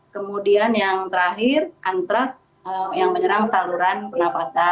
kemudian yang terakhir antrax yang menyerang saluran penapasan